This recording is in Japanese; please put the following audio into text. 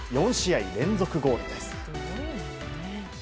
４試合連続ゴールです。